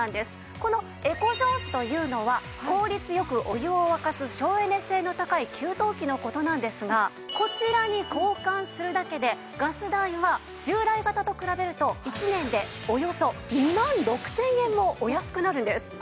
このエコジョーズというのは効率よくお湯を沸かす省エネ性の高い給湯器の事なんですがこちらに交換するだけでガス代は従来型と比べると１年でおよそ２万６０００円もお安くなるんです。